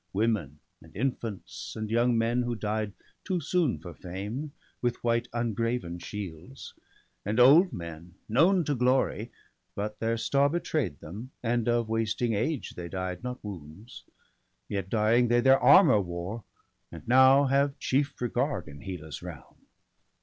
Women, and infants, and young men who died Too soon for fame, with white ungraven shields ; And old men, known to glory, but their star Betray'd them, and of wasting age they died, Not wounds ; yet, dying, they their armour wore, And now have chief regard in Hela's realm.